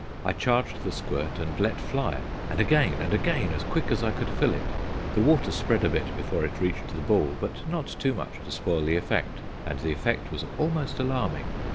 I charged the squirt and let fly, and again, and again, as quick as I could fill it. The water spread a bit before it reached the ball, but not too much to spoil the effect; and the effect was almost alarming.